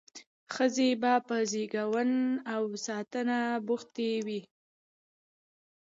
ښځې به په زیږون او ساتنه بوختې وې.